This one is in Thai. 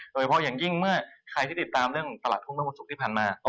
โดยเฉพาะอย่างยิ่งเมื่อใครที่ติดตามเรื่องตลาดหุ้นเมื่อวันศุกร์ที่ผ่านมา